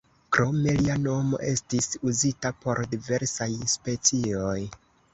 Krome lia nomo estis uzita por diversaj specioj.